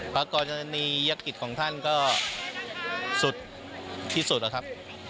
พระกรณียกฤทธิ์ของท่านก็สุดที่สุดครับ